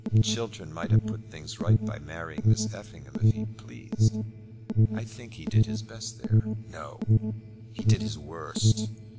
Chiltern might have put things right by marrying Miss Effingham if he pleased." "I think he did his best there." "No; he did his worst.